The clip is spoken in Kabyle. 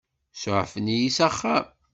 Suɛfen-iyi s axxam.